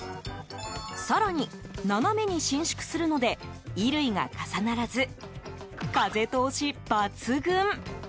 更に、斜めに伸縮するので衣類が重ならず風通し抜群。